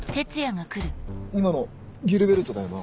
今のギルベルトだよな？